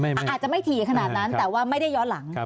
อาจจะไม่ถี่ขนาดนั้นแต่ว่าไม่ได้ย้อนหลัง